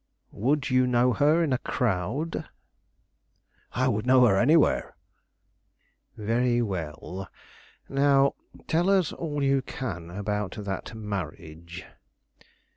"Would you know her in a crowd?" "I would know her anywhere." "Very well; now tell us all you can about that marriage."